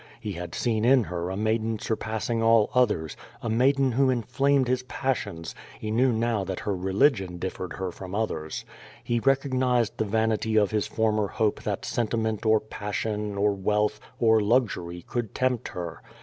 He had seen in her a maiden surpassing all others, a maiden who inflamed his pas sions, he knew now that her religion differed her from others. He recognized the vanity of his former hope that sentiment or passion, or wealth, or luxury, could tempt her.